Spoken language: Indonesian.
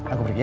aku pergi ya